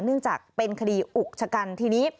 เนื่องจากเป็นคดีอุกชะกันทีนี้